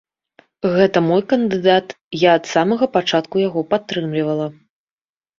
Гэта мой кандыдат, я ад самага пачатку яго падтрымлівала.